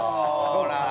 ほら。